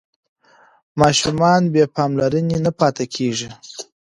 ماشومان بې پاملرنې نه پاتې کېږي.